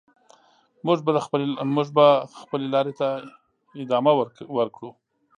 موږ به د خپلې لارې ته ادامه ورکړو.